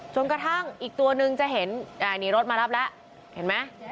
กระทั่งอีกตัวนึงจะเห็นนี่รถมารับแล้วเห็นไหม